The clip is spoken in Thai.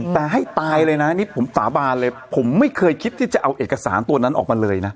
แต่ให้ตายเลยนะนี่ผมสาบานเลยผมไม่เคยคิดที่จะเอาเอกสารตัวนั้นออกมาเลยนะ